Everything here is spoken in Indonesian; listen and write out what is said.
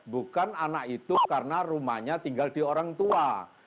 bukan anak itu karena rumahnya tinggal di orang tua